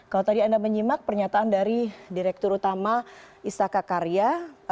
kalau tadi anda menyimak pernyataan dari direktur utama istaka karya